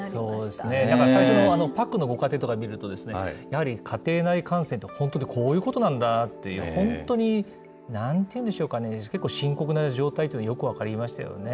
やっぱり最初のパックンのご家庭とかを見ると、やはり家庭内感染って本当にこういうことなんだなっていう、本当になんていうんでしょうかね、結構深刻な状態というのがよく分かりましたよね。